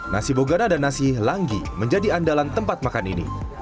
nasi bogana dan nasi langgi menjadi andalan tempat makan ini